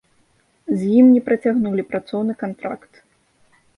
З ім не працягнулі працоўны кантракт.